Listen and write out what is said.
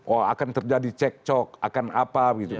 oh akan terjadi cek cok akan apa gitu